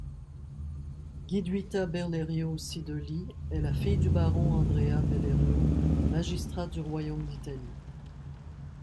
Giuditta Bellerio Sidoli est la fille du baron Andrea Bellerio, magistrat du Royaume d'Italie.